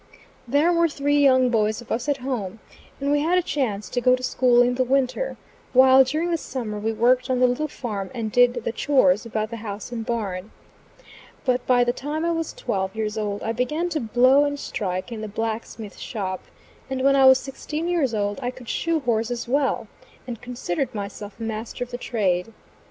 There were three young boys of us at home, and we had a chance to go to school in the winter, while during the summer we worked on the little farm and did the "chores" about the house and barn. But by the time I was twelve years old I began to blow and strike in the blacksmith shop, and when I was sixteen years old I could shoe horses well, and considered myself master of the trade.